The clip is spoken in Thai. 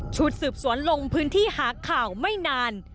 ชุดสืบสวนลงพื้นที่หาข่าวไม่นาน